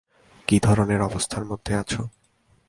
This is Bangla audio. কি ধরনের অবস্থার মধ্যে আছো?